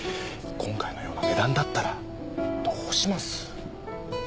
今回のような値段だったらどうします？